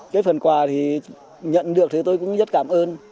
cái phần quà thì nhận được thì tôi cũng rất cảm ơn